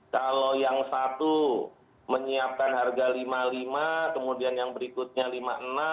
kalau yang satu menyiapkan harga rp lima lima ratus kemudian yang berikutnya rp lima enam ratus